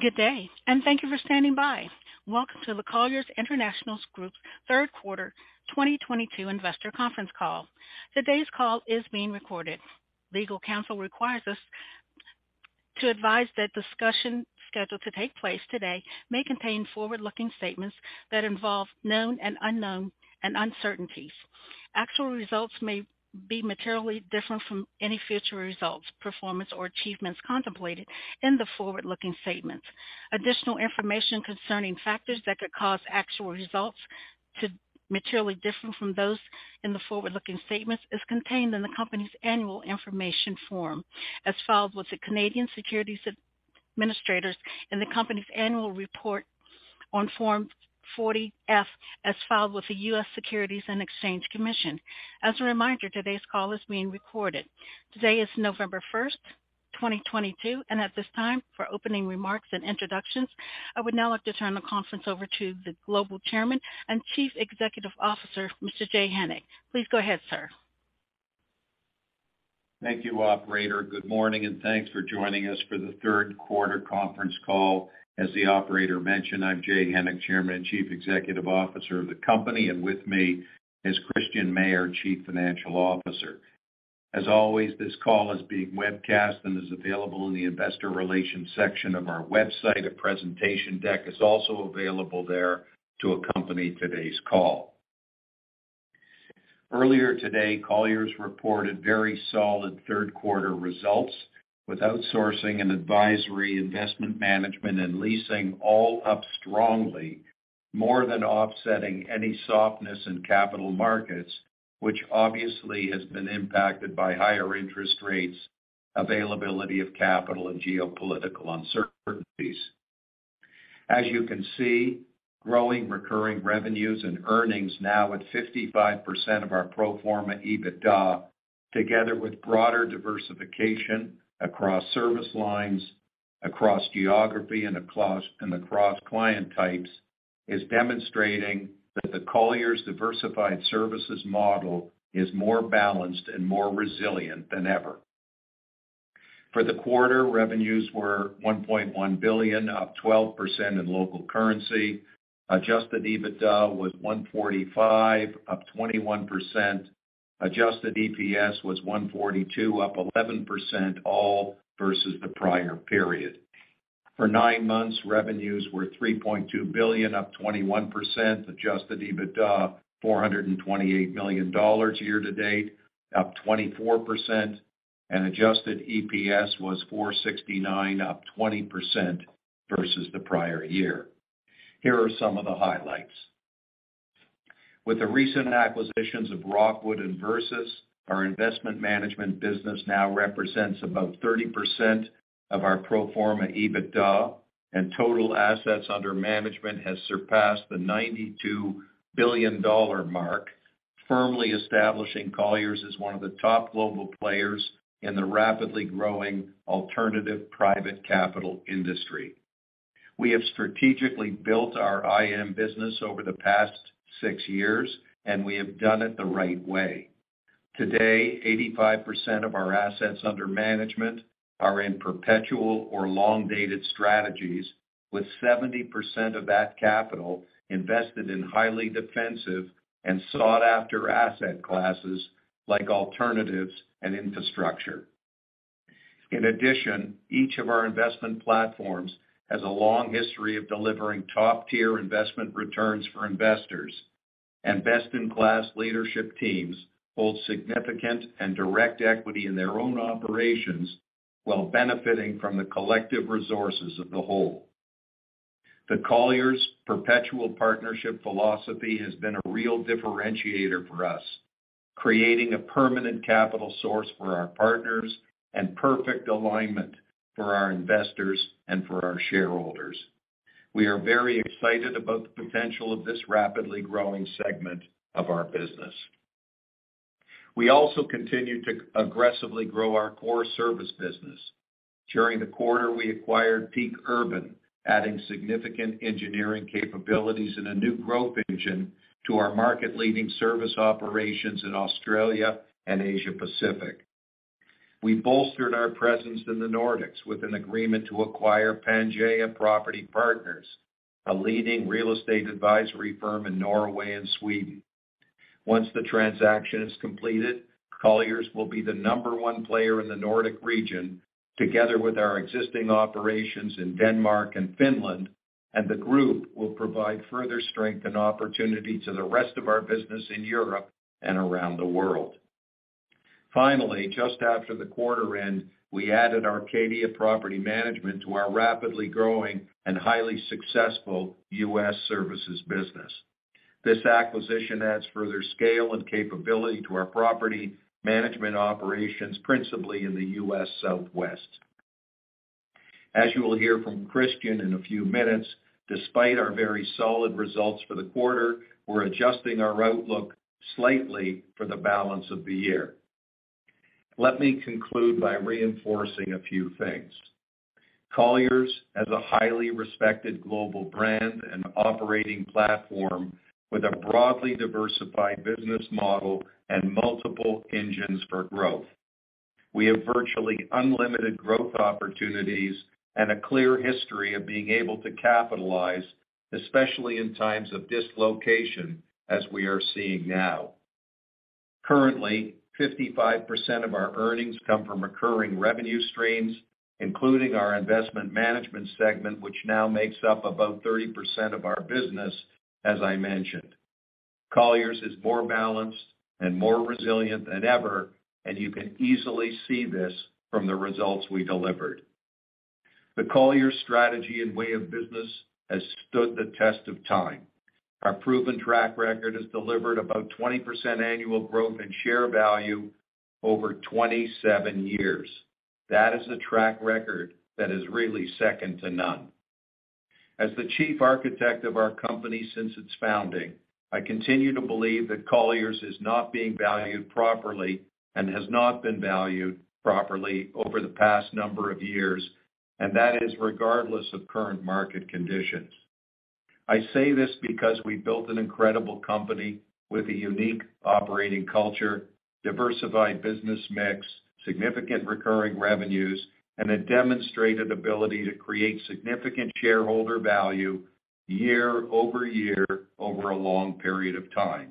Good day, and thank you for standing by. Welcome to the Colliers International Group third quarter 2022 investor conference call. Today's call is being recorded. Legal counsel requires us to advise that discussion scheduled to take place today may contain forward-looking statements that involve known and unknown risks and uncertainties. Actual results may be materially different from any future results, performance or achievements contemplated in the forward-looking statements. Additional information concerning factors that could cause actual results to materially differ from those in the forward-looking statements is contained in the company's annual information form, as filed with the Canadian Securities Administrators in the company's annual report on Form 40-F, as filed with the U.S. Securities and Exchange Commission. As a reminder, today's call is being recorded. Today is November 1, 2022, and at this time, for opening remarks and introductions, I would now like to turn the conference over to the Global Chairman and Chief Executive Officer, Mr. Jay Hennick. Please go ahead, sir. Thank you, operator. Good morning, and thanks for joining us for the third quarter conference call. As the operator mentioned, I'm Jay Hennick, Chairman and Chief Executive Officer of the company, and with me is Christian Mayer, Chief Financial Officer. As always, this call is being webcast and is available in the investor relations section of our website. A presentation deck is also available there to accompany today's call. Earlier today, Colliers reported very solid third quarter results with outsourcing and advisory investment management and leasing all up strongly, more than offsetting any softness in capital markets, which obviously has been impacted by higher interest rates, availability of capital and geopolitical uncertainties. As you can see, growing recurring revenues and earnings now at 55% of our pro forma EBITDA, together with broader diversification across service lines, across geography, and across client types, is demonstrating that the Colliers diversified services model is more balanced and more resilient than ever. For the quarter, revenues were $1.1 billion, up 12% in local currency. Adjusted EBITDA was $145 million, up 21%. Adjusted EPS was $1.42, up 11%, all versus the prior period. For nine months, revenues were $3.2 billion, up 21%. Adjusted EBITDA, $428 million year to date, up 24%. Adjusted EPS was $4.69, up 20% versus the prior year. Here are some of the highlights. With the recent acquisitions of Rockwood Capital and Versus Capital, our investment management business now represents about 30% of our pro forma EBITDA, and total assets under management has surpassed the $92 billion mark, firmly establishing Colliers as one of the top global players in the rapidly growing alternative private capital industry. We have strategically built our IM business over the past 6 years, and we have done it the right way. Today, 85% of our assets under management are in perpetual or long-dated strategies, with 70% of that capital invested in highly defensive and sought-after asset classes like alternatives and infrastructure. In addition, each of our investment platforms has a long history of delivering top-tier investment returns for investors, and best-in-class leadership teams hold significant and direct equity in their own operations while benefiting from the collective resources of the whole. The Colliers perpetual partnership philosophy has been a real differentiator for us, creating a permanent capital source for our partners and perfect alignment for our investors and for our shareholders. We are very excited about the potential of this rapidly growing segment of our business. We also continue to aggressively grow our core service business. During the quarter, we acquired Ethos Urban, adding significant engineering capabilities and a new growth engine to our market-leading service operations in Australia and Asia Pacific. We bolstered our presence in the Nordics with an agreement to acquire Pangea Property Partners, a leading real estate advisory firm in Norway and Sweden. Once the transaction is completed, Colliers will be the number one player in the Nordic region, together with our existing operations in Denmark and Finland, and the group will provide further strength and opportunity to the rest of our business in Europe and around the world. Finally, just after the quarter end, we added Arcadia Management Group to our rapidly growing and highly successful U.S. services business. This acquisition adds further scale and capability to our property management operations, principally in the U.S. Southwest. As you will hear from Christian in a few minutes, despite our very solid results for the quarter, we're adjusting our outlook slightly for the balance of the year. Let me conclude by reinforcing a few things. Colliers is a highly respected global brand and operating platform with a broadly diversified business model and multiple engines for growth. We have virtually unlimited growth opportunities and a clear history of being able to capitalize, especially in times of dislocation, as we are seeing now. Currently, 55% of our earnings come from recurring revenue streams, including our investment management segment, which now makes up about 30% of our business, as I mentioned. Colliers is more balanced and more resilient than ever, and you can easily see this from the results we delivered. The Colliers strategy and way of business has stood the test of time. Our proven track record has delivered about 20% annual growth in share value over 27 years. That is a track record that is really second to none. As the chief architect of our company since its founding, I continue to believe that Colliers is not being valued properly and has not been valued properly over the past number of years, and that is regardless of current market conditions. I say this because we built an incredible company with a unique operating culture, diversified business mix, significant recurring revenues, and a demonstrated ability to create significant shareholder value year over year over a long period of time.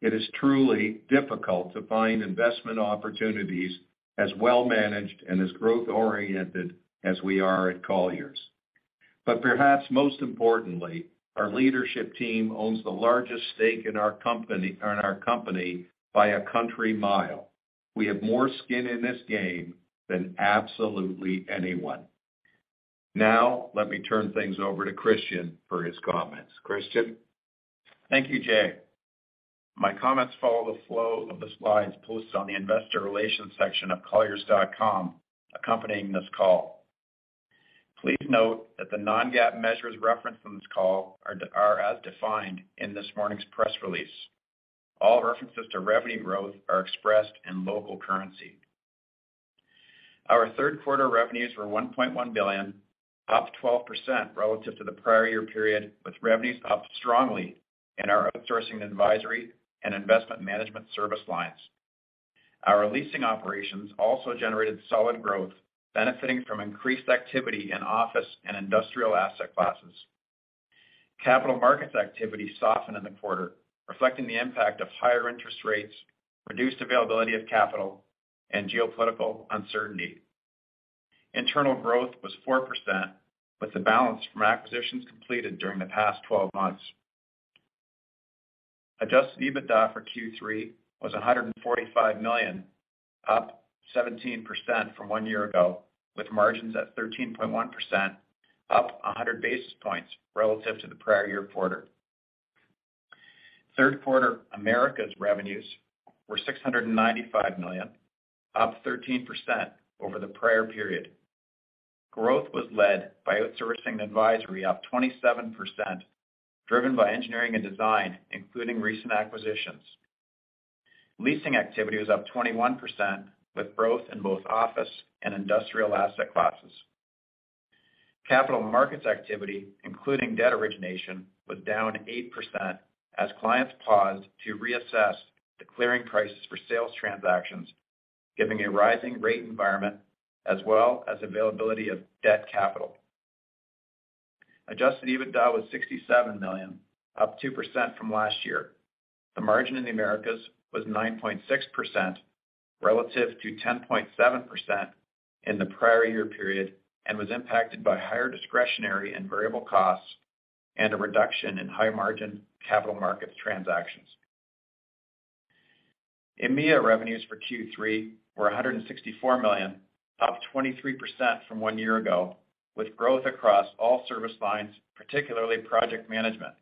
It is truly difficult to find investment opportunities as well-managed and as growth-oriented as we are at Colliers. Perhaps most importantly, our leadership team owns the largest stake in our company by a country mile. We have more skin in this game than absolutely anyone. Now, let me turn things over to Christian for his comments. Christian. Thank you, Jay. My comments follow the flow of the slides posted on the investor relations section of colliers.com accompanying this call. Please note that the non-GAAP measures referenced on this call are as defined in this morning's press release. All references to revenue growth are expressed in local currency. Our third quarter revenues were $1.1 billion, up 12% relative to the prior year period, with revenues up strongly in our outsourcing advisory and investment management service lines. Our leasing operations also generated solid growth, benefiting from increased activity in office and industrial asset classes. Capital markets activity softened in the quarter, reflecting the impact of higher interest rates, reduced availability of capital, and geopolitical uncertainty. Internal growth was 4%, with the balance from acquisitions completed during the past 12 months. Adjusted EBITDA for Q3 was $145 million, up 17% from one year ago, with margins at 13.1%, up 100 basis points relative to the prior year quarter. Third quarter Americas revenues were $695 million, up 13% over the prior period. Growth was led by outsourcing advisory up 27%, driven by engineering and design, including recent acquisitions. Leasing activity was up 21%, with growth in both office and industrial asset classes. Capital markets activity, including debt origination, was down 8% as clients paused to reassess the clearing prices for sales transactions, given a rising rate environment as well as availability of debt capital. Adjusted EBITDA was $67 million, up 2% from last year. The margin in the Americas was 9.6% relative to 10.7% in the prior year period and was impacted by higher discretionary and variable costs and a reduction in high-margin Capital Markets transactions. EMEA revenues for Q3 were $164 million, up 23% from one year ago, with growth across all service lines, particularly project management.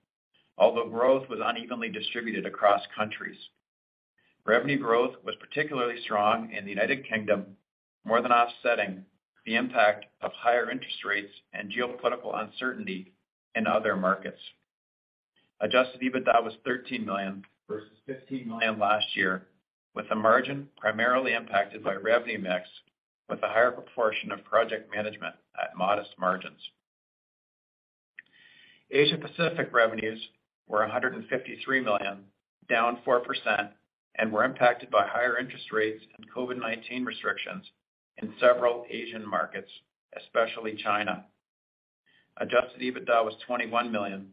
Although growth was unevenly distributed across countries, revenue growth was particularly strong in the United Kingdom, more than offsetting the impact of higher interest rates and geopolitical uncertainty in other markets. Adjusted EBITDA was $13 million versus $15 million last year, with the margin primarily impacted by revenue mix, with a higher proportion of project management at modest margins. Asia Pacific revenues were $153 million, down 4%, and were impacted by higher interest rates and COVID-19 restrictions in several Asian markets, especially China. Adjusted EBITDA was $21 million,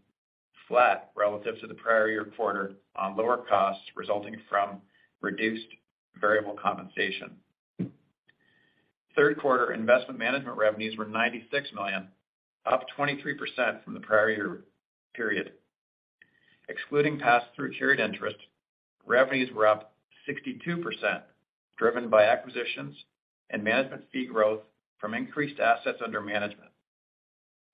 flat relative to the prior year quarter on lower costs resulting from reduced variable compensation. Third quarter investment management revenues were $96 million, up 23% from the prior year period. Excluding pass-through carried interest, revenues were up 62%, driven by acquisitions and management fee growth from increased assets under management.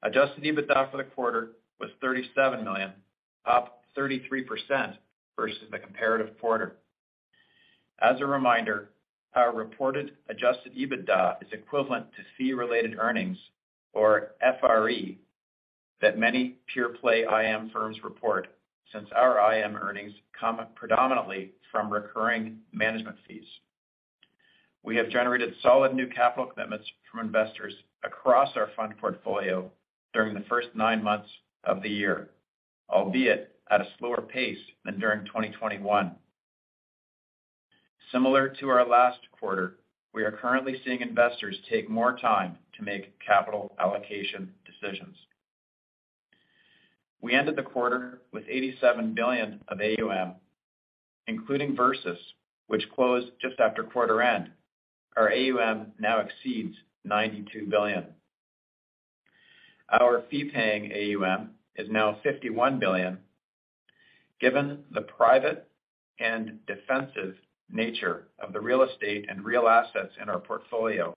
Adjusted EBITDA for the quarter was $37 million, up 33% versus the comparative quarter. As a reminder, our reported adjusted EBITDA is equivalent to fee-related earnings, or FRE, that many pure-play IM firms report since our IM earnings come predominantly from recurring management fees. We have generated solid new capital commitments from investors across our fund portfolio during the first 9 months of the year. Albeit at a slower pace than during 2021. Similar to our last quarter, we are currently seeing investors take more time to make capital allocation decisions. We ended the quarter with $87 billion of A, including Versus, which closed just after quarter end. Our A now exceeds $92 billion. Our fee-paying A is now $51 billion. Given the private and defensive nature of the real estate and real assets in our portfolio,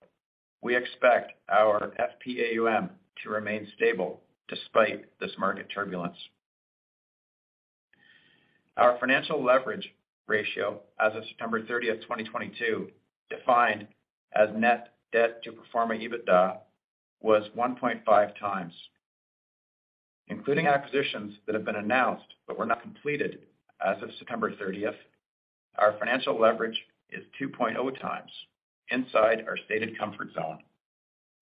we expect our FPA to remain stable despite this market turbulence. Our financial leverage ratio as of September 30, 2022, defined as net debt to pro forma EBITDA, was 1.5 times. Including acquisitions that have been announced but were not completed as of September thirtieth, our financial leverage is 2.0x inside our stated comfort zone.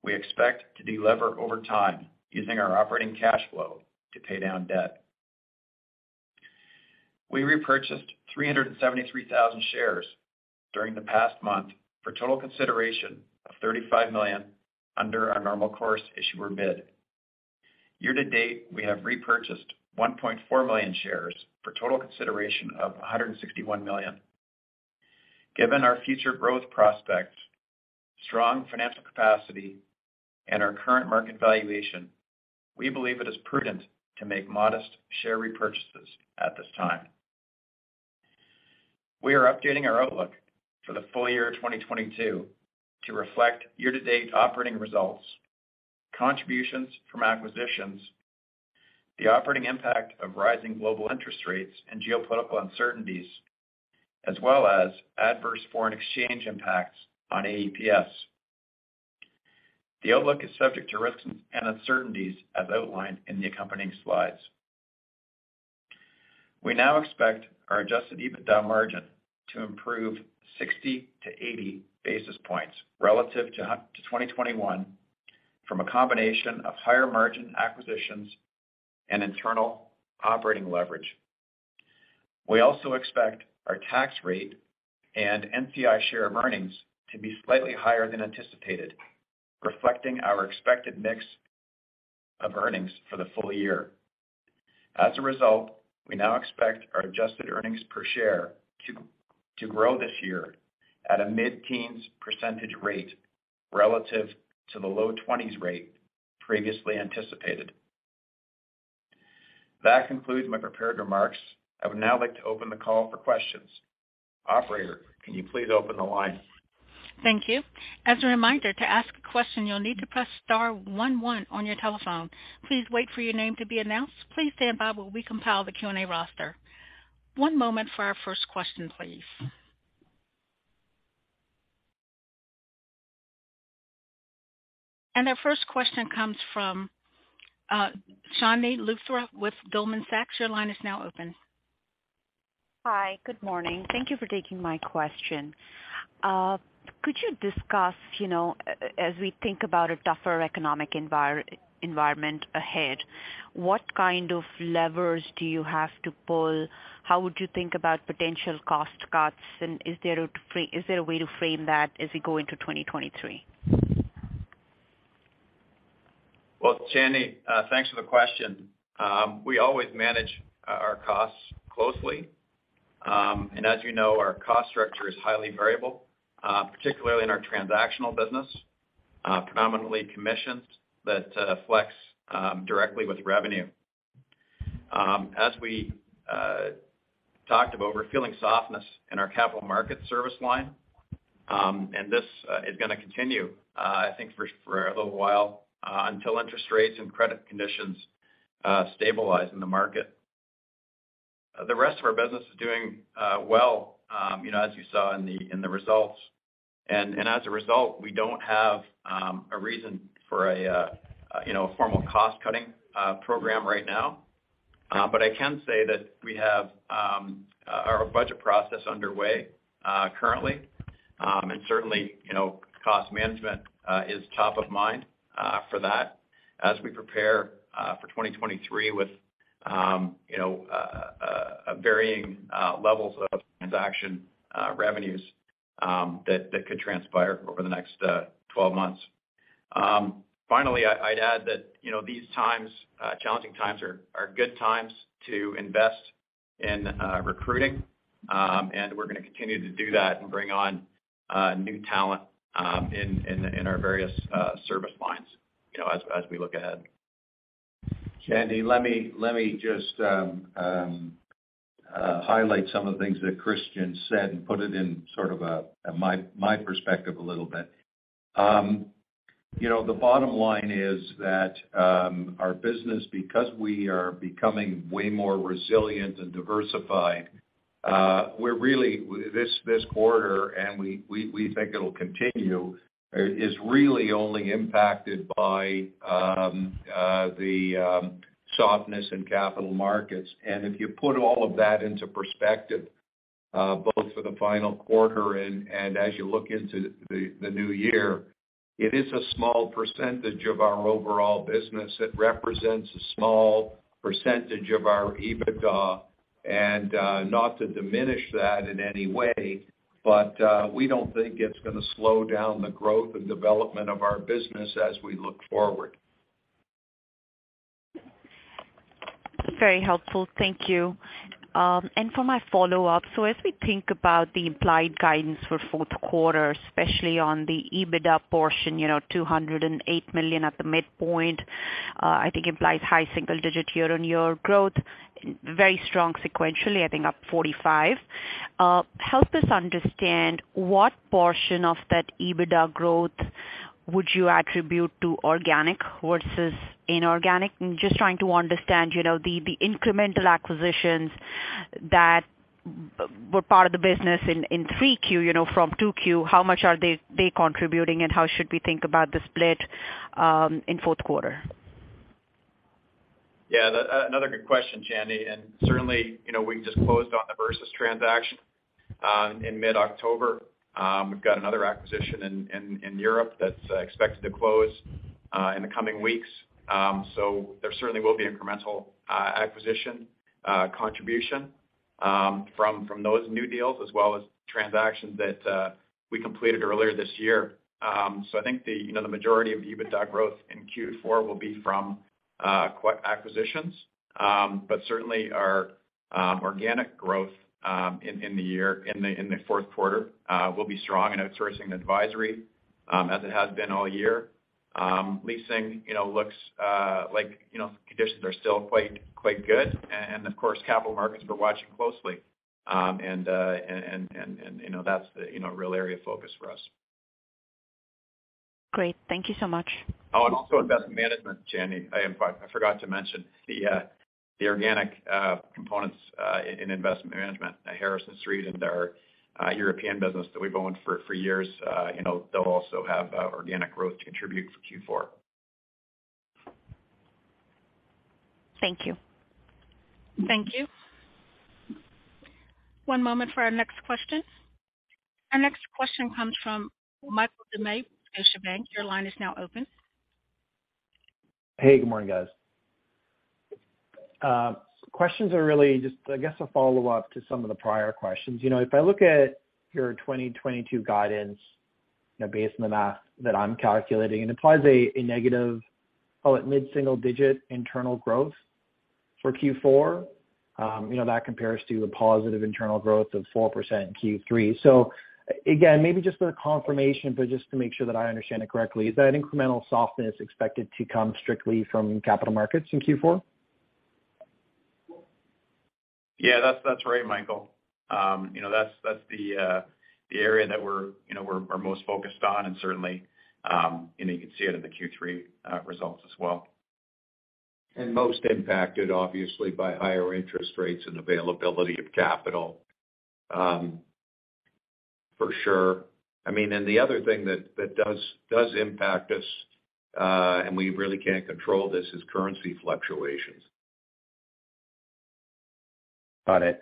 We expect to delever over time using our operating cash flow to pay down debt. We repurchased 373,000 shares during the past month for total consideration of $35 million under our Normal Course Issuer Bid. Year to date, we have repurchased 1.4 million shares for total consideration of $161 million. Given our future growth prospects, strong financial capacity, and our current market valuation, we believe it is prudent to make modest share repurchases at this time. We are updating our outlook for the full year 2022 to reflect year-to-date operating results, contributions from acquisitions, the operating impact of rising global interest rates and geopolitical uncertainties, as well as adverse foreign exchange impacts on AEPS. The outlook is subject to risks and uncertainties as outlined in the accompanying slides. We now expect our adjusted EBITDA margin to improve 60-80 basis points relative to 2021 from a combination of higher-margin acquisitions and internal operating leverage. We also expect our tax rate and NCI share of earnings to be slightly higher than anticipated, reflecting our expected mix of earnings for the full year. As a result, we now expect our adjusted earnings per share to grow this year at a mid-teens % rate relative to the low twenties % rate previously anticipated. That concludes my prepared remarks. I would now like to open the call for questions. Operator, can you please open the line? Thank you. As a reminder, to ask a question, you'll need to press star one one on your telephone. Please wait for your name to be announced. Please stand by while we compile the Q&A roster. One moment for our first question, please. Our first question comes from Chandni Luthra with Goldman Sachs. Your line is now open. Hi. Good morning. Thank you for taking my question. Could you discuss, you know, as we think about a tougher economic environment ahead, what kind of levers do you have to pull? How would you think about potential cost cuts, and is there a way to frame that as we go into 2023? Well, Chandni, thanks for the question. We always manage our costs closely. As you know, our cost structure is highly variable, particularly in our transactional business, predominantly commissions that flex directly with revenue. As we talked about, we're feeling softness in our capital markets service line, and this is gonna continue, I think for a little while, until interest rates and credit conditions stabilize in the market. The rest of our business is doing well, you know, as you saw in the results. As a result, we don't have a reason for a, you know, a formal cost-cutting program right now. I can say that we have our budget process underway currently. Certainly, you know, cost management is top of mind for that as we prepare for 2023 with, you know, varying levels of transaction revenues that could transpire over the next 12 months. Finally, I'd add that, you know, these challenging times are good times to invest in recruiting and we're gonna continue to do that and bring on new talent in our various service lines, you know, as we look ahead. Chandni, let me just highlight some of the things that Christian said and put it in sort of a my perspective a little bit. You know, the bottom line is that our business, because we are becoming way more resilient and diversified, we're really this quarter, and we think it'll continue, is really only impacted by the softness in Capital Markets. If you put all of that into perspective, both for the final quarter and as you look into the new year, it is a small percentage of our overall business. It represents a small percentage of our EBITDA, and we don't think it's gonna slow down the growth and development of our business as we look forward. Very helpful. Thank you. For my follow-up. As we think about the implied guidance for fourth quarter, especially on the EBITDA portion, you know, $208 million at the midpoint, I think implies high single digit year-on-year growth. Very strong sequentially, I think up 45%. Help us understand what portion of that EBITDA growth would you attribute to organic versus inorganic. I'm just trying to understand, you know, the incremental acquisitions that were part of the business in 3Q, you know, from 2Q. How much are they contributing, and how should we think about the split in fourth quarter? Another good question, Chandni. Certainly, you know, we just closed on the Versus transaction in mid-October. We've got another acquisition in Europe that's expected to close in the coming weeks. There certainly will be incremental acquisition contribution from those new deals as well as transactions that we completed earlier this year. I think the majority of EBITDA growth in Q4 will be from acquisitions. Certainly our organic growth in the fourth quarter will be strong in outsourcing advisory, as it has been all year. Leasing, you know, looks like you know, conditions are still quite good. Of course, capital markets we're watching closely. You know, that's the, you know, real area of focus for us. Great. Thank you so much. Oh, investment management, Chandni Luthra. I forgot to mention the organic components in investment management at Harrison Street and our European business that we've owned for years. You know, they'll also have organic growth to contribute for Q4. Thank you. Thank you. One moment for our next question. Our next question comes from Michael Doumet, Scotiabank, your line is now open. Hey, good morning, guys. Questions are really just, I guess, a follow-up to some of the prior questions. You know, if I look at your 2022 guidance, you know, based on the math that I'm calculating, and it implies a negative, call it mid-single digit internal growth for Q4, you know, that compares to the positive internal growth of 4% in Q3. Again, maybe just for the confirmation, but just to make sure that I understand it correctly. Is that incremental softness expected to come strictly from Capital Markets in Q4? , that's right, Michael. You know, that's the area that we're, you know, we're most focused on and certainly you can see it in the Q3 results as well. Most impacted obviously by higher interest rates and availability of capital, for sure. I mean, the other thing that does impact us, and we really can't control this, is currency fluctuations. Got it.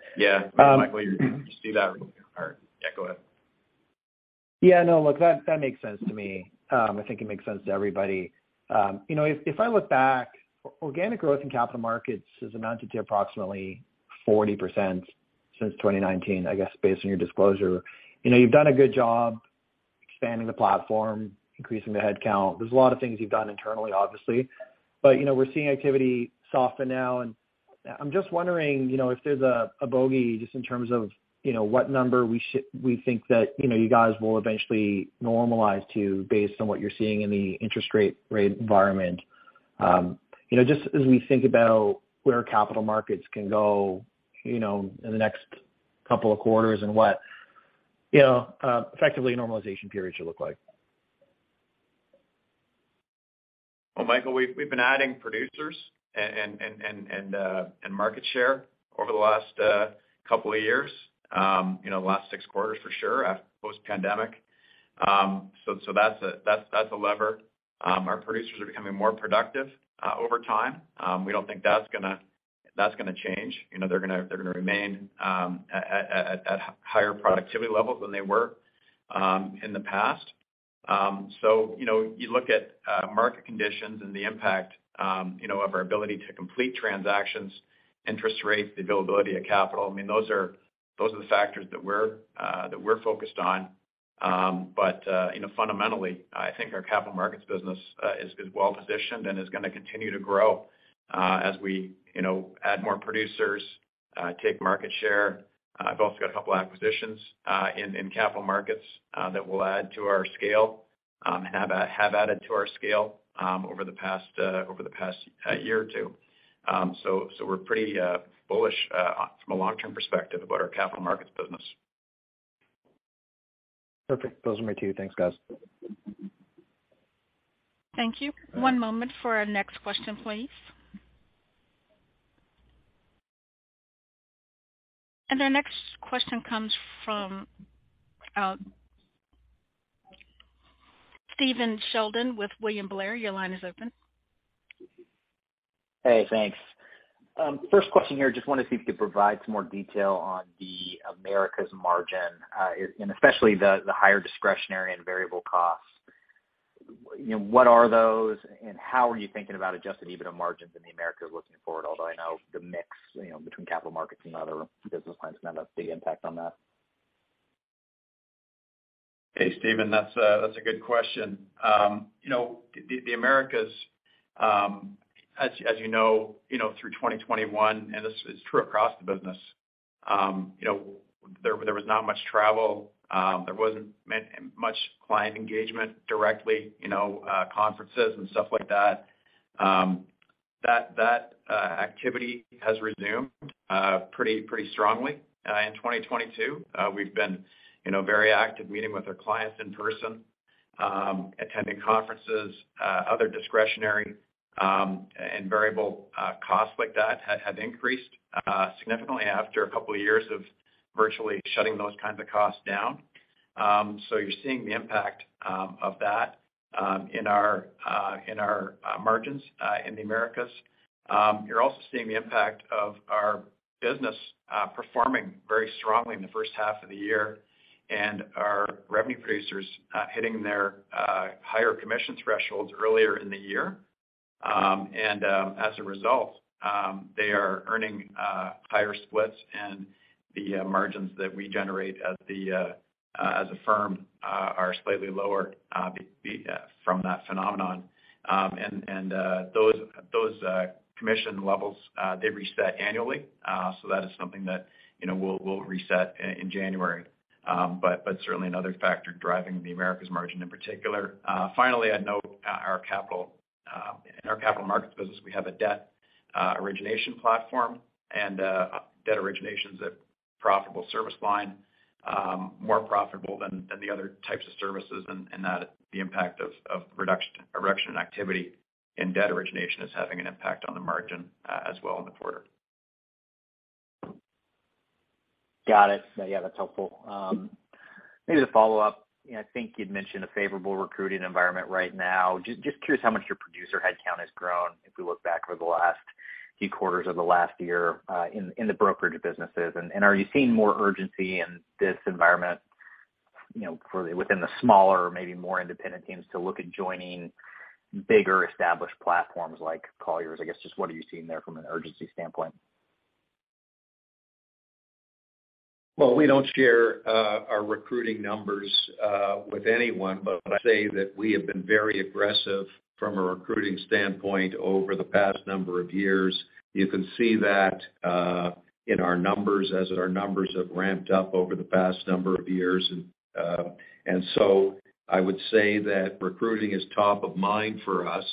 Michael, you see that part., go ahead. No, look, that makes sense to me. I think it makes sense to everybody. You know, if I look back, organic growth in Capital Markets has amounted to approximately 40% since 2019, I guess, based on your disclosure. You know, you've done a good job expanding the platform, increasing the headcount. There's a lot of things you've done internally, obviously. But you know, we're seeing activity soften now, and I'm just wondering, you know, if there's a bogey just in terms of, you know, what number we think that, you know, you guys will eventually normalize to based on what you're seeing in the interest rate environment. You know, just as we think about where Capital Markets can go, you know, in the next couple of quarters and what, you know, effectively normalization period should look like. Well, Michael, we've been adding producers and market share over the last couple of years, you know, last six quarters for sure, post-pandemic. That's a lever. Our producers are becoming more productive over time. We don't think that's gonna change. You know, they're gonna remain at higher productivity levels than they were in the past. You know, you look at market conditions and the impact, you know, of our ability to complete transactions, interest rates, the availability of capital. I mean, those are the factors that we're focused on. You know, fundamentally, I think our Capital Markets business is well positioned and is gonna continue to grow as we, you know, add more producers, take market share. We've also got a couple acquisitions in Capital Markets that have added to our scale over the past year or two. We're pretty bullish from a long-term perspective about our Capital Markets business. Perfect. Those are my two. Thanks, guys. Thank you. One moment for our next question, please. Our next question comes from Stephen Sheldon with William Blair. Your line is open. Hey, thanks. First question here. Just wanted to see if you could provide some more detail on the Americas margin, and especially the higher discretionary and variable costs. You know, what are those, and how are you thinking about adjusted EBITDA margins in the Americas looking forward? Although I know the mix, you know, between Capital Markets and other business lines might have a big impact on that. Hey, Stephen. That's a good question. You know, the Americas, as you know, through 2021, and this is true across the business. You know, there was not much travel. There wasn't much client engagement directly, you know, conferences and stuff like that. That activity has resed pretty strongly in 2022. We've been very active meeting with our clients in person, attending conferences. Other discretionary and variable costs like that have increased significantly after a couple of years of virtually shutting those kinds of costs down. You're seeing the impact of that in our margins in the Americas. You're also seeing the impact of our business performing very strongly in the first half of the year and our revenue producers hitting their higher commission thresholds earlier in the year. As a result, they are earning higher splits and the margins that we generate as a firm are slightly lower from that phenomenon. Those commission levels reset annually. That is something that, you know, we'll reset in January. Certainly another factor driving the Americas margin in particular. Finally, I'd note our Capital Markets business, we have a debt origination platform and debt origination's a profitable service line, more profitable than the other types of services, and that the impact of reduction in transaction activity in debt origination is having an impact on the margin as well in the quarter. Got it., that's helpful. Maybe to follow up, you know, I think you'd mentioned a favorable recruiting environment right now. Just curious how much your producer headcount has grown if we look back over the last few quarters of the last year, in the brokerage businesses. Are you seeing more urgency in this environment, you know, for within the smaller or maybe more independent teams to look at joining bigger established platforms like Colliers? I guess just what are you seeing there from an urgency standpoint? Well, we don't share our recruiting numbers with anyone, but I'd say that we have been very aggressive from a recruiting standpoint over the past number of years. You can see that in our numbers as our numbers have ramped up over the past number of years. I would say that recruiting is top of mind for us.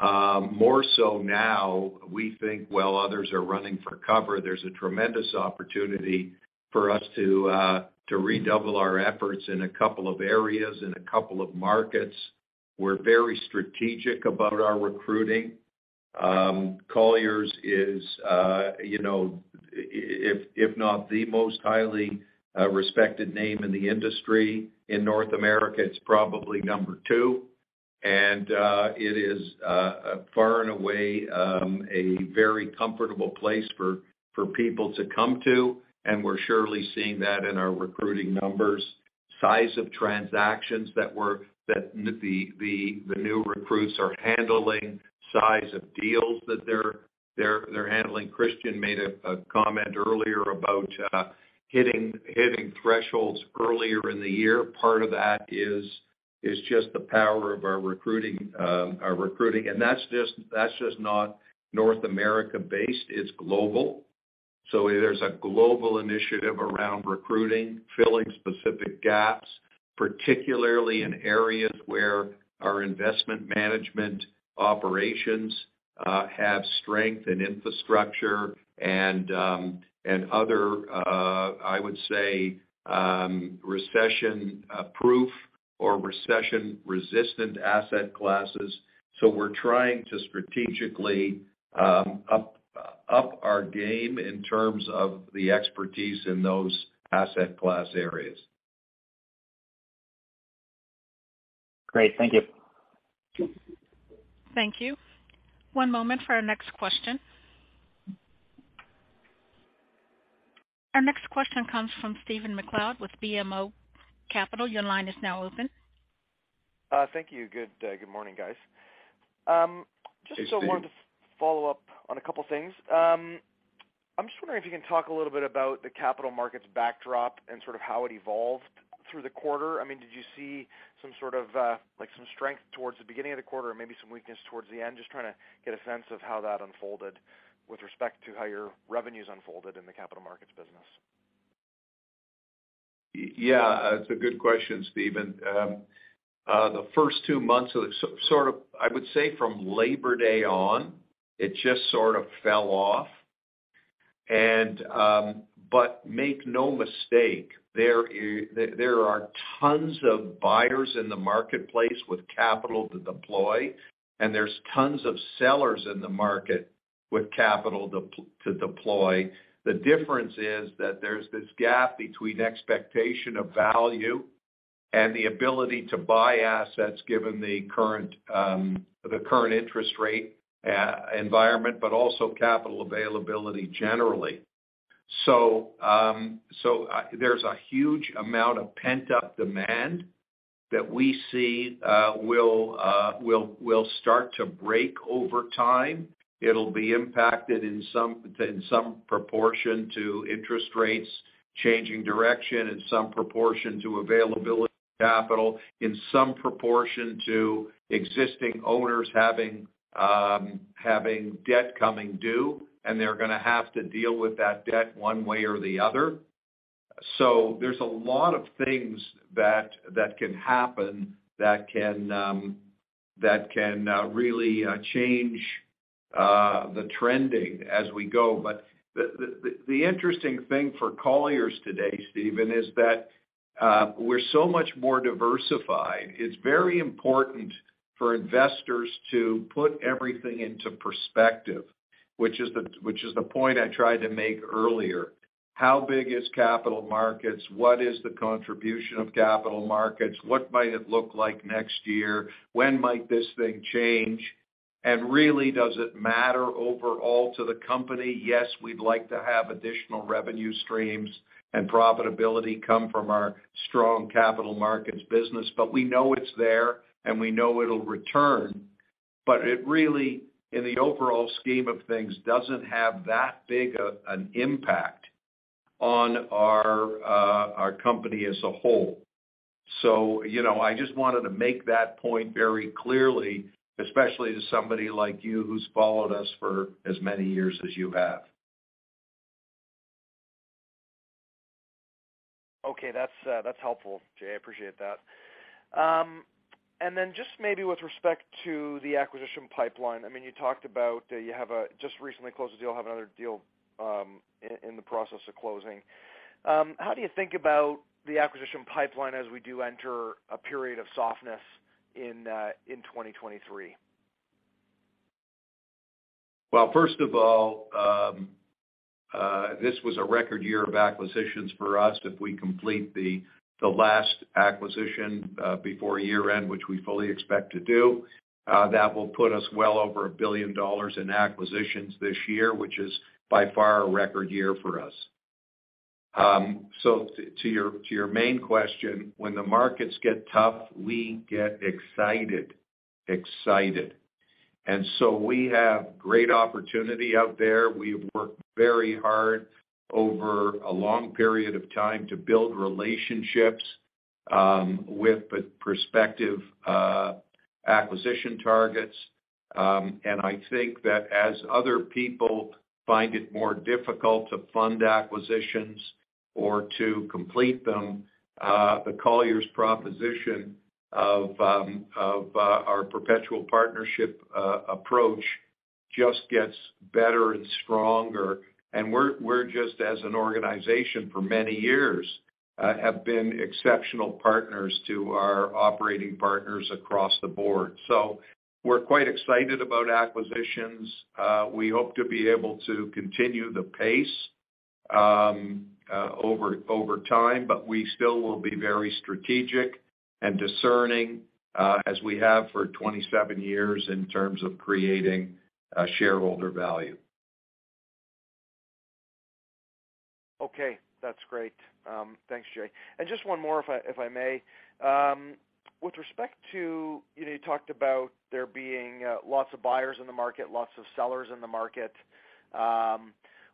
More so now we think while others are running for cover, there's a tremendous opportunity for us to redouble our efforts in a couple of areas, in a couple of markets. We're very strategic about our recruiting. Colliers is, if not the most highly respected name in the industry in North America, it's probably number two. It is far and away a very comfortable place for people to come to, and we're surely seeing that in our recruiting numbers. Size of transactions that the new recruits are handling, size of deals that they're handling. Christian made a comment earlier about hitting thresholds earlier in the year. Part of that is just the power of our recruiting, and that's just not North America-based, it's global. There's a global initiative around recruiting, filling specific gaps, particularly in areas where our investment management operations have strength and infrastructure and other, I would say, recession-proof or recession-resistant asset classes. We're trying to strategically up our game in terms of the expertise in those asset class areas. Great. Thank you. Thank you. One moment for our next question. Our next question comes from Stephen MacLeod with BMO Capital Markets. Your line is now open. Thank you. Good morning, guys. Hey, Stephen. Just wanted to follow up on a couple things. I'm just wondering if you can talk a little bit about the Capital Markets backdrop and sort of how it evolved through the quarter. I mean, did you see some sort of, like some strength towards the beginning of the quarter or maybe some weakness towards the end? Just trying to get a sense of how that unfolded with respect to how your revenues unfolded in the Capital Markets business.. It's a good question, Stephen. The first two months sort of, I would say from Labor Day on, it just sort of fell off. But make no mistake, there are tons of buyers in the marketplace with capital to deploy, and there's tons of sellers in the market. The difference is that there's this gap between expectation of value and the ability to buy assets given the current interest rate environment, but also capital availability generally. There's a huge amount of pent-up demand that we see will start to break over time. It'll be impacted in some proportion to interest rates changing direction, in some proportion to availability of capital, in some proportion to existing owners having debt coming due, and they're gonna have to deal with that debt one way or the other. There's a lot of things that can happen that can really change the trending as we go. The interesting thing for Colliers today, Stephen, is that we're so much more diversified. It's very important for investors to put everything into perspective, which is the point I tried to make earlier. How big is Capital Markets? What is the contribution of Capital Markets? What might it look like next year? When might this thing change? Really, does it matter overall to the company? Yes, we'd like to have additional revenue streams and profitability come from our strong Capital Markets business. We know it's there, and we know it'll return. It really, in the overall scheme of things, doesn't have that big an impact on our company as a whole. You know, I just wanted to make that point very clearly, especially to somebody like you who's followed us for as many years as you have. Okay. That's helpful, Jay. I appreciate that. Just maybe with respect to the acquisition pipeline. I mean, you talked about that you have just recently closed a deal, have another deal in the process of closing. How do you think about the acquisition pipeline as we do enter a period of softness in 2023? Well, first of all, this was a record year of acquisitions for us if we complete the last acquisition before year-end, which we fully expect to do. That will put us well over $1 billion in acquisitions this year, which is by far a record year for us. To your main question, when the markets get tough, we get excited. We have great opportunity out there. We've worked very hard over a long period of time to build relationships with prospective acquisition targets. I think that as other people find it more difficult to fund acquisitions or to complete them, the Colliers proposition of our perpetual partnership approach just gets better and stronger. We're just as an organization for many years have been exceptional partners to our operating partners across the board. We're quite excited about acquisitions. We hope to be able to continue the pace over time, but we still will be very strategic and discerning as we have for 27 years in terms of creating shareholder value. Okay. That's great. Thanks, Jay. Just one more if I may. With respect to. You know, you talked about there being lots of buyers in the market, lots of sellers in the market.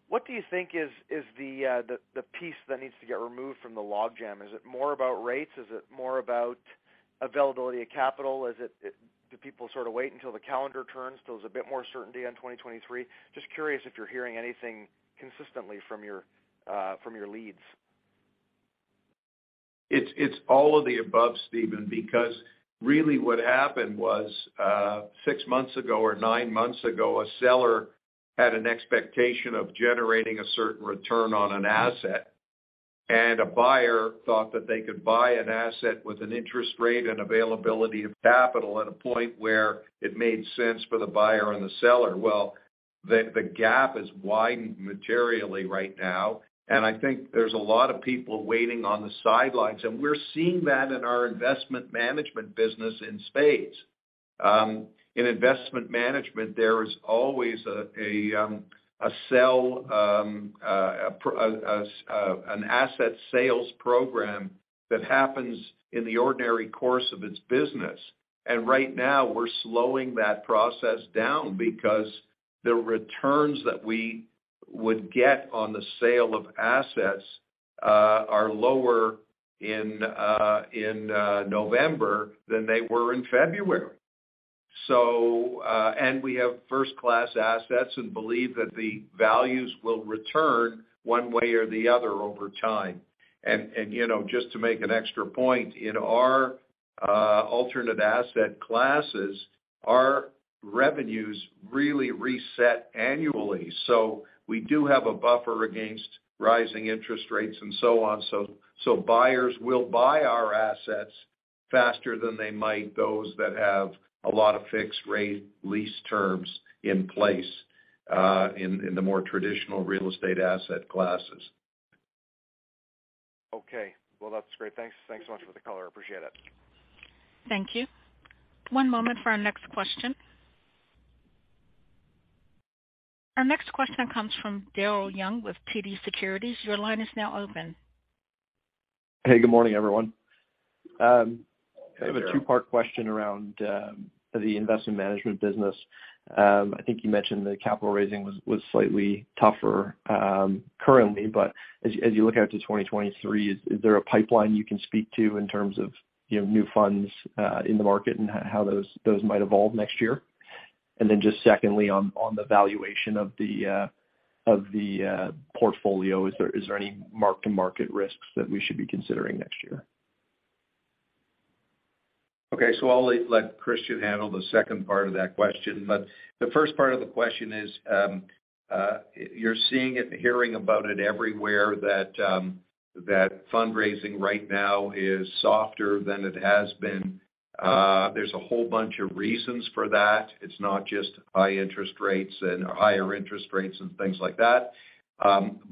What do you think is the piece that needs to get removed from the log jam? Is it more about rates? Is it more about availability of capital? Do people sort of wait until the calendar turns, till there's a bit more certainty on 2023? Just curious if you're hearing anything consistently from your leads. It's all of the above, Stephen, because really what happened was, 6 months ago or 9 months ago, a seller had an expectation of generating a certain return on an asset, and a buyer thought that they could buy an asset with an interest rate and availability of capital at a point where it made sense for the buyer and the seller. The gap has widened materially right now, and I think there's a lot of people waiting on the sidelines, and we're seeing that in our investment management business in spades. In investment management, there is always an asset sales program that happens in the ordinary course of its business. Right now we're slowing that process down because the returns that we would get on the sale of assets are lower in November than they were in February. We have first-class assets and believe that the values will return one way or the other over time. You know, just to make an extra point, in our alternate asset classes, our revenues really reset annually. We do have a buffer against rising interest rates and so on, so buyers will buy our assets faster than they might those that have a lot of fixed rate lease terms in place in the more traditional real estate asset classes. Okay. Well, that's great. Thanks. Thanks so much for the color. Appreciate it. Thank you. One moment for our next question. Our next question comes from Daryl Young with TD Securities. Your line is now open. Hey, good morning, everyone. I have a two-part question around the investment management business. I think you mentioned the capital raising was slightly tougher currently. But as you look out to 2023, is there a pipeline you can speak to in terms of, you know, new funds in the market and how those might evolve next year? And then just secondly on the valuation of the portfolio, is there any mark-to-market risks that we should be considering next year? I'll let Christian handle the second part of that question. The first part of the question is, you're seeing it and hearing about it everywhere that fundraising right now is softer than it has been. There's a whole bunch of reasons for that. It's not just high interest rates and higher interest rates and things like that.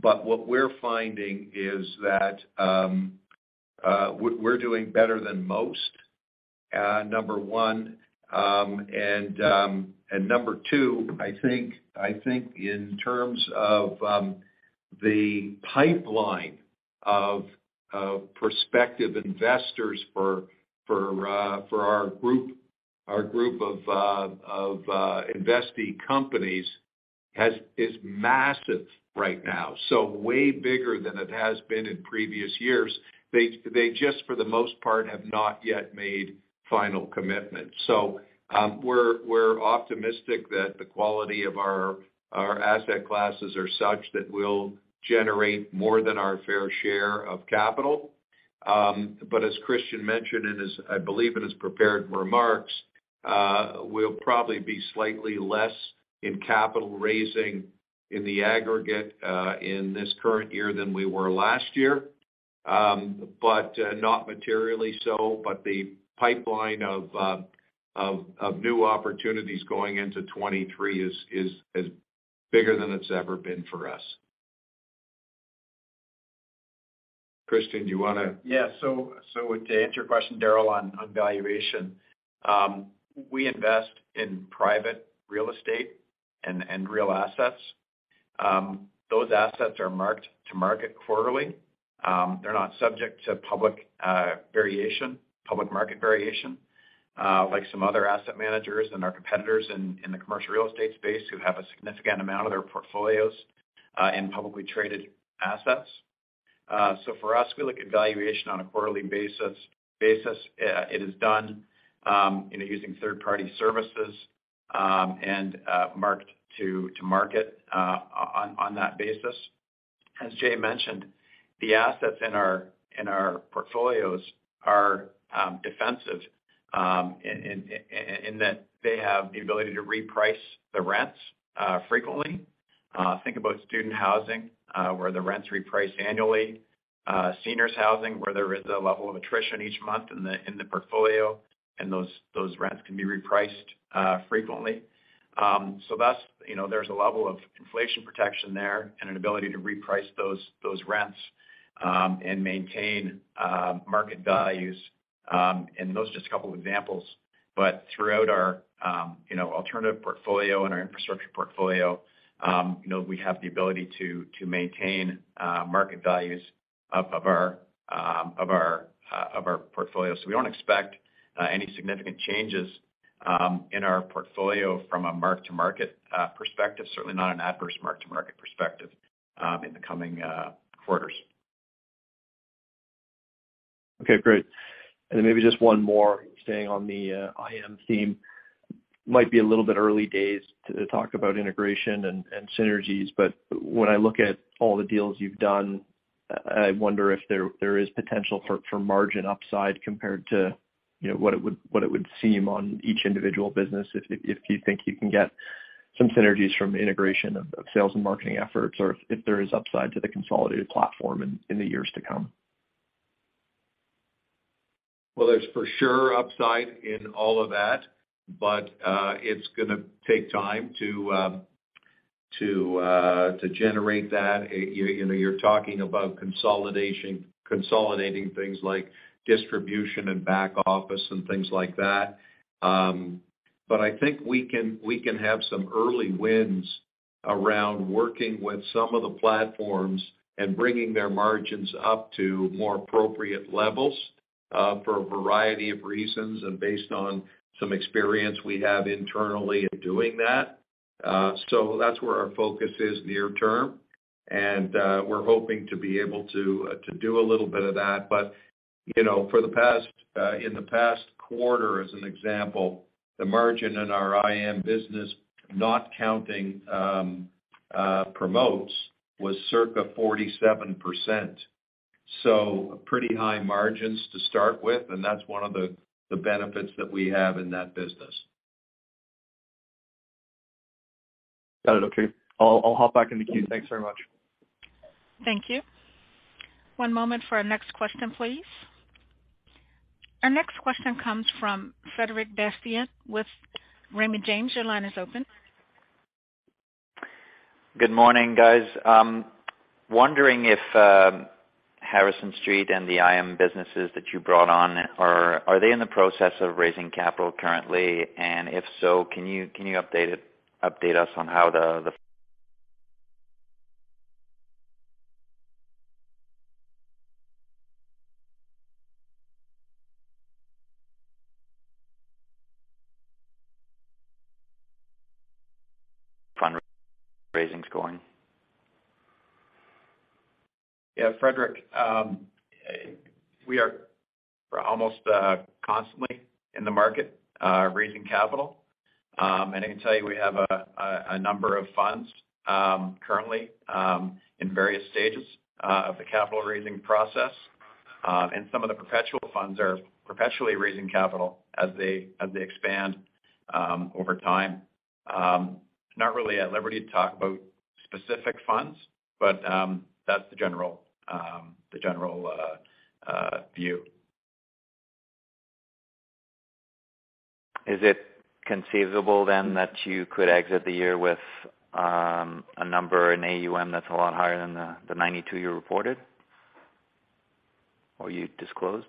What we're finding is that we're doing better than most, number one. number two, I think in terms of the pipeline of prospective investors for our group of investee companies is massive right now, so way bigger than it has been in previous years. They just, for the most part, have not yet made final commitments. We're optimistic that the quality of our asset classes are such that we'll generate more than our fair share of capital. As Christian mentioned, I believe, in his prepared remarks, we'll probably be slightly less in capital raising in the aggregate in this current year than we were last year. Not materially so. The pipeline of new opportunities going into 2023 is bigger than it's ever been for us. Christian, do you wanna. To answer your question, Daryl, on valuation. We invest in private real estate and real assets. Those assets are marked to market quarterly. They're not subject to public market variation like some other asset managers and our competitors in the commercial real estate space who have a significant amount of their portfolios in publicly traded assets. For us, we look at valuation on a quarterly basis. It is done, you know, using third-party services and marked to market on that basis. As Jay mentioned, the assets in our portfolios are defensive in that they have the ability to reprice the rents frequently. Think about student housing, where the rents reprice annually, seniors housing, where there is a level of attrition each month in the portfolio, and those rents can be repriced frequently. That's, you know, there's a level of inflation protection there and an ability to reprice those rents and maintain market values. Those are just a couple of examples. Throughout our, you know, alternative portfolio and our infrastructure portfolio, you know, we have the ability to maintain market values of our portfolio. We don't expect any significant changes in our portfolio from a mark-to-market perspective, certainly not an adverse mark-to-market perspective, in the coming quarters. Okay, great. Maybe just one more staying on the IM theme. Might be a little bit early days to talk about integration and synergies. When I look at all the deals you've done, I wonder if there is potential for margin upside compared to, you know, what it would seem on each individual business if you think you can get some synergies from integration of sales and marketing efforts or if there is upside to the consolidated platform in the years to come. Well, there's for sure upside in all of that, but it's gonna take time to generate that. You know, you're talking about consolidating things like distribution and back office and things like that. I think we can have some early wins around working with some of the platforms and bringing their margins up to more appropriate levels for a variety of reasons and based on some experience we have internally in doing that. That's where our focus is near term, and we're hoping to be able to do a little bit of that. You know, in the past quarter, as an example, the margin in our IM business, not counting promotes, was circa 47%. Pretty high margins to start with, and that's one of the benefits that we have in that business. Got it. Okay. I'll hop back in the queue. Thanks very much. Thank you. One moment for our next question, please. Our next question comes from Frederic Bastien with Raymond James. Your line is open. Good morning, guys. Wondering if Harrison Street and the IM businesses that you brought on, are they in the process of raising capital currently, and if so, can you update us on how the fundraising's going?, Frederic, we are almost constantly in the market raising capital. I can tell you we have a number of funds currently in various stages of the capital raising process. Some of the perpetual funds are perpetually raising capital as they expand over time. Not really at liberty to talk about specific funds, but that's the general view. Is it conceivable that you could exit the year with a number, an A that's a lot higher than the 92 you reported or you disclosed?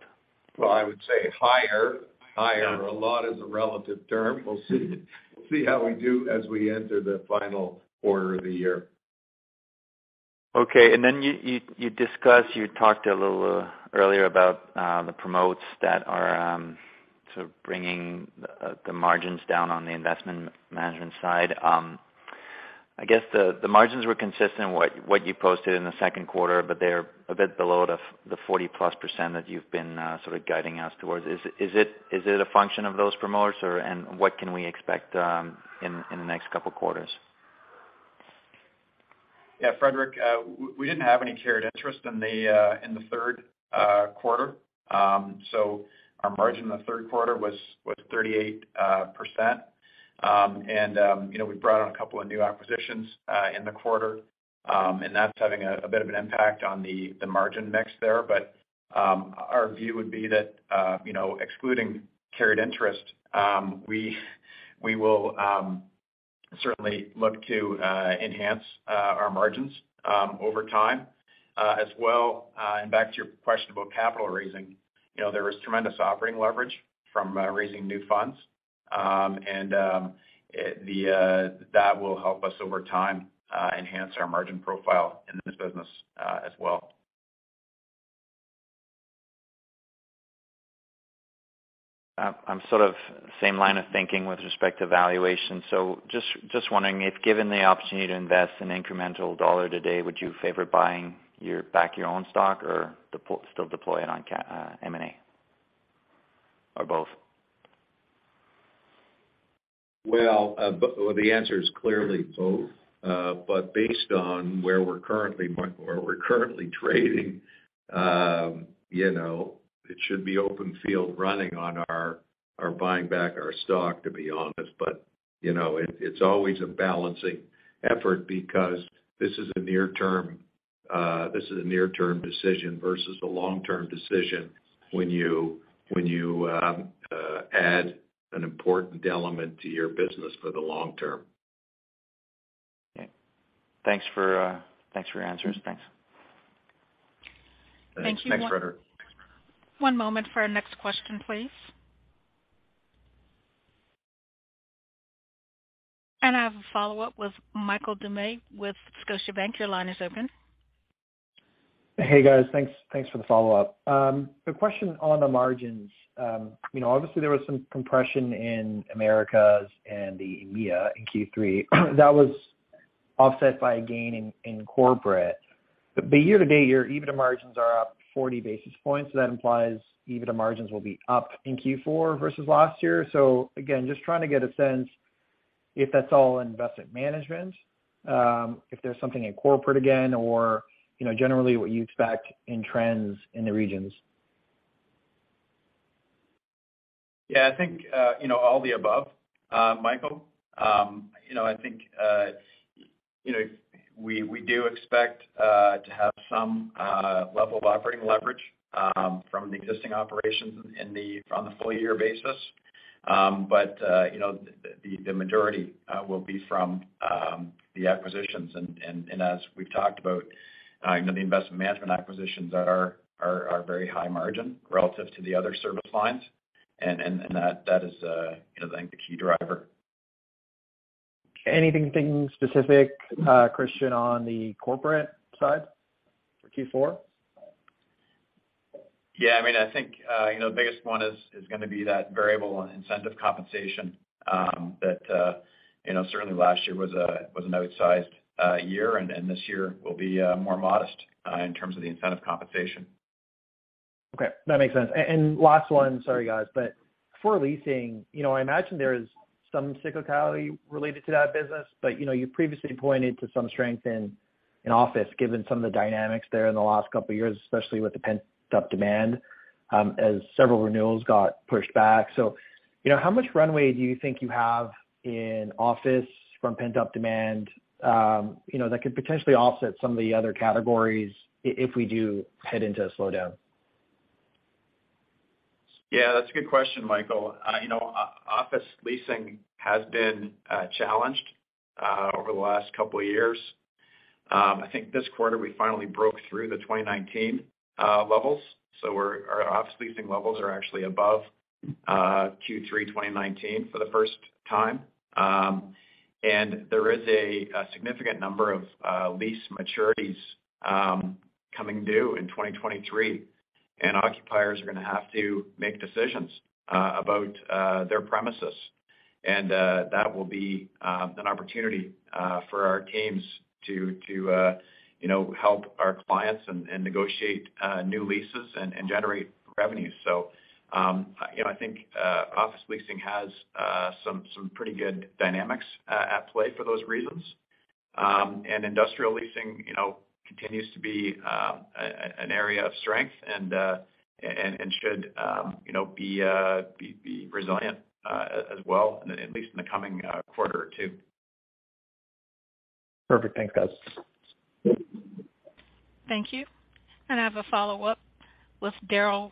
Well, I would say higher. A lot is a relative term. We'll see how we do as we enter the final quarter of the year. Okay. Then you discussed, you talked a little earlier about the promotes that are sort of bringing the margins down on the investment management side. I guess the margins were consistent with what you posted in the second quarter, but they're a bit below the 40%+ that you've been sort of guiding us towards. Is it a function of those promotes or, and what can we expect in the next couple quarters? Frederic, we didn't have any carried interest in the third quarter. Our margin in the third quarter was 38%. You know, we brought on a couple of new acquisitions in the quarter, and that's having a bit of an impact on the margin mix there. Our view would be that you know, excluding carried interest, we will certainly look to enhance our margins over time. As well, back to your question about capital raising, you know, there is tremendous operating leverage from raising new funds. That will help us over time enhance our margin profile in this business, as well. I'm sort of on the same line of thinking with respect to valuation. Just wondering if given the opportunity to invest an incremental dollar today, would you favor buying back your own stock or still deploy it on M&A, or both? Well, the answer is clearly both. Based on where we're currently trading, you know, it should be open-field running on our buying back our stock, to be honest. You know, it's always a balancing effort because this is a near-term decision versus a long-term decision when you add an important element to your business for the long term. Okay. Thanks for your answers. Thanks. Thank you. Thanks, Frederic. One moment for our next question, please. I have a follow-up with Michael Doumet with Scotiabank. Your line is open. Hey, guys. Thanks for the follow-up. A question on the margins. You know, obviously there was some compression in Americas and the EMEA in Q3 that was offset by a gain in corporate. Year to date, your EBITDA margins are up 40 basis points. That implies EBITDA margins will be up in Q4 versus last year. Again, just trying to get a sense if that's all investment management, if there's something in corporate again or, you know, generally what you expect in trends in the regions. I think, you know, all the above, Michael. You know, I think, you know, we do expect to have some level of operating leverage from the existing operations on the full year basis. You know, the majority will be from the acquisitions. As we've talked about, you know, the investment management acquisitions are very high margin relative to the other service lines. That is, you know, I think the key driver. Anything specific, Christian, on the corporate side for Q4? I mean, I think, you know, the biggest one is gonna be that variable incentive compensation, that you know, certainly last year was an outsized year, and this year will be more modest in terms of the incentive compensation. Okay, that makes sense. Last one, sorry guys, but for leasing, you know, I imagine there is some cyclicality related to that business. You know, you previously pointed to some strength in office, given some of the dynamics there in the last couple of years, especially with the pent-up demand, as several renewals got pushed back. You know, how much runway do you think you have in office from pent-up demand, you know, that could potentially offset some of the other categories if we do head into a slowdown? That's a good question, Michael. You know, office leasing has been challenged over the last couple of years. I think this quarter, we finally broke through the 2019 levels. Our office leasing levels are actually above Q3 2019 for the first time. There is a significant number of lease maturities coming due in 2023, and occupiers are gonna have to make decisions about their premises. That will be an opportunity for our teams to help our clients and negotiate new leases and generate revenues. I think office leasing has some pretty good dynamics at play for those reasons. Industrial leasing, you know, continues to be an area of strength and should, you know, be resilient as well, at least in the coming quarter or two. Perfect. Thanks, guys. Thank you. I have a follow-up with Daryl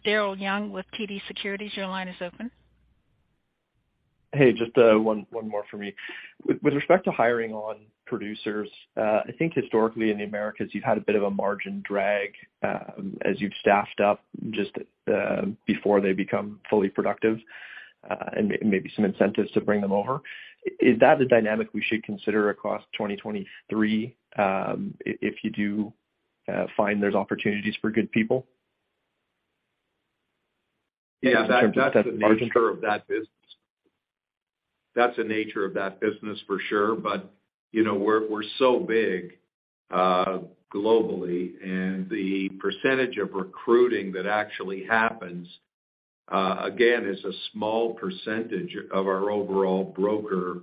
Young with TD Securities. Your line is open. Hey, just one more for me. With respect to hiring on producers, I think historically in the Americas, you've had a bit of a margin drag, as you've staffed up just before they become fully productive, and maybe some incentives to bring them over. Is that a dynamic we should consider across 2023, if you do find there's opportunities for good people? In terms of margin. That's the nature of that business. That's the nature of that business, for sure. You know, we're so big globally, and the percentage of recruiting that actually happens again is a small percentage of our overall broker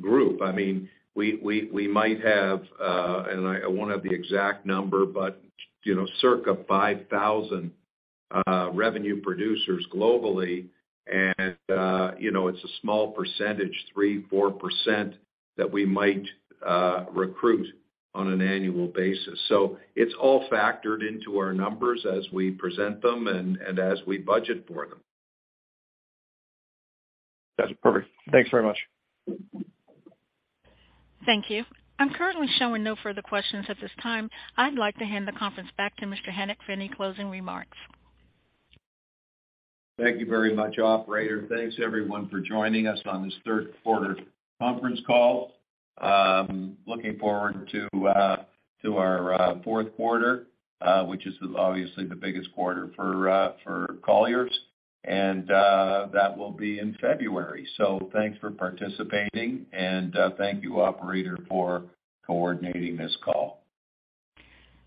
group. I mean, we might have, and I won't have the exact number, but you know, circa 5,000 revenue producers globally, and you know, it's a small percentage, 3%-4% that we might recruit on an annual basis. It's all factored into our numbers as we present them and as we budget for them. That's perfect. Thanks very much. Thank you. I'm currently showing no further questions at this time. I'd like to hand the conference back to Mr. Hennick for any closing remarks. Thank you very much, operator. Thanks, everyone for joining us on this third quarter conference call. Looking forward to our fourth quarter, which is obviously the biggest quarter for Colliers, and that will be in February. Thanks for participating, and thank you, operator, for coordinating this call.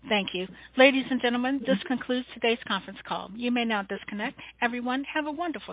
Thank you. Ladies and gentlemen, this concludes today's conference call. You may now disconnect. Everyone, have a wonderful day.